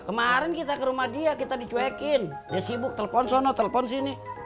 kemarin kita ke rumah dia kita dicuekin